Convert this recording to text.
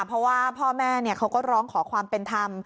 เพราะว่าพ่อแม่เขาก็ร้องขอความเป็นธรรม